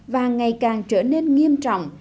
và ngày càng trở nên nghiêm trọng